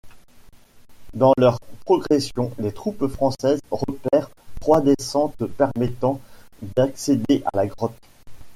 Dans leur progression, les troupes françaises repèrent trois descentes permettant d'accéder à la grotte.